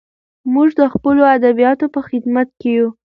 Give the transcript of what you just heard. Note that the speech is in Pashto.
موږ د خپلو ادیبانو په خدمت کې یو.